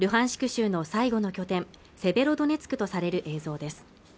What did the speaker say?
州の最後の拠点セベロドネツクとされる映像です